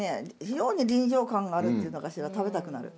非常に臨場感があるっていうのかしら食べたくなる。